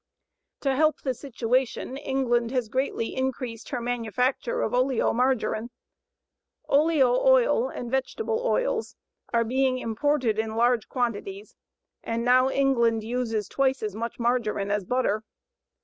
To help the situation, England has greatly increased her manufacture of oleomargarine. Oleo oil and vegetable oils are being imported in large quantities and now England uses twice as much margarine as butter.